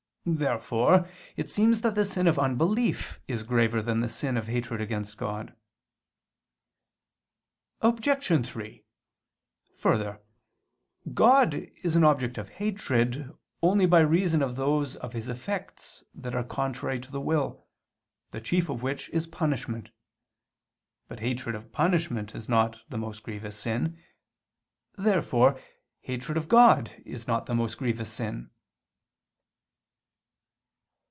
Therefore it seems that the sin of unbelief is graver than the sin of hatred against God. Obj. 3: Further, God is an object of hatred, only by reason of those of His effects that are contrary to the will: the chief of which is punishment. But hatred of punishment is not the most grievous sin. Therefore hatred of God is not the most grievous sin.